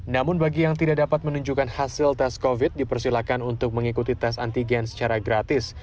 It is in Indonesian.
namun bagi yang tidak dapat menunjukkan hasil tes covid dipersilakan untuk mengikuti tes antigen secara gratis